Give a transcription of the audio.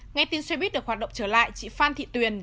nghe tin xe buýt được hoạt động trở lại chị phan thị tuyền